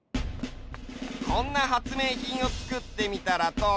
こんな発明品をつくってみたらどう？